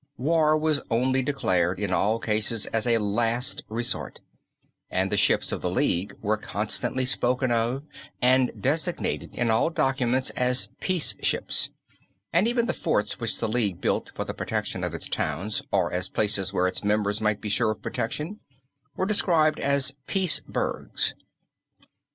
War was only declared in all cases as a last resort, and the ships of the League were constantly spoken of and designated in all documents as "peace ships," and even the forts which the League built for the protection of its towns, or as places where its members might be sure of protection, were described as "Peace Burgs."